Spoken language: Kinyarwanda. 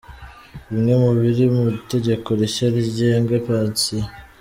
Bimwe mu biri mu Itegeko rishya rigenga pansiyo.